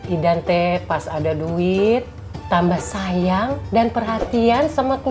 idan teh pas ada duit tambah sayang dan perhatian